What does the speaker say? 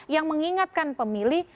yang mengingatkan pemilih